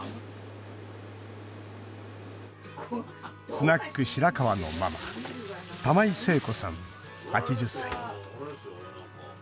スナック、しらかわのママ玉井征子さん、８０歳。